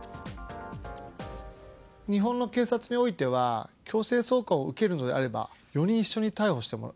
日本の警察においては、強制送還を受けるのであれば、４人一緒に逮捕してもらう。